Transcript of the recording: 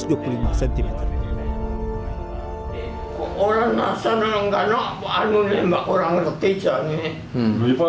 oh ini khusus bagi aku